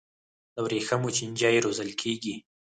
د ورېښمو چینجي روزل کیږي؟